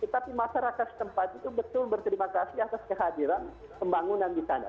tetapi masyarakat tempat itu betul berterima kasih atas kehadiran pembangunan di sana